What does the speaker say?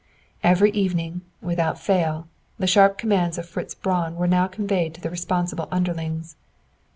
Every evening, without fail, the sharp commands of Fritz Braun were now conveyed to the responsible underlings!